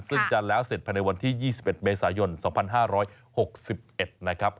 ซึ่งจะแล้วเสร็จภายในวันที่๒๑เมษายน๒๕๖๑นะครับ